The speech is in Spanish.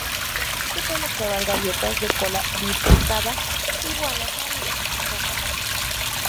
Aquí se pueden observar gaviotas de cola bifurcada, iguanas marinas y focas.